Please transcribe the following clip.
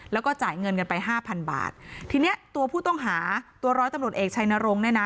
แล้วก็จ่ายเงินกันไปห้าพันบาททีเนี้ยตัวผู้ต้องหาตัวร้อยตำรวจเอกชัยนรงค์เนี่ยนะ